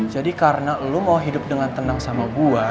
jadi karena lo mau hidup dengan tenang sama gue